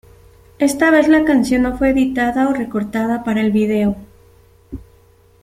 Esta vez la canción no fue editada o recortada para el video.